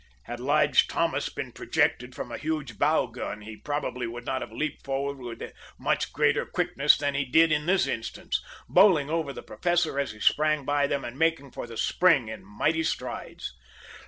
Had Lige Thomas been projected from a huge bow gun he probably would not have leaped forward with much greater quickness than he did in this instance, bowling over the Professor as he sprang by him, and making for the spring in mighty strides.